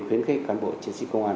khuyến khích cán bộ chiến sĩ công an